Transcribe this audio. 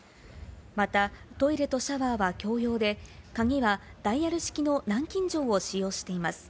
またトイレとシャワーは共用で、鍵はダイヤル式の南京錠を使用しています。